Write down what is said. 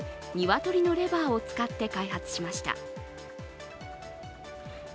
鶏のレバーを使って開発しました。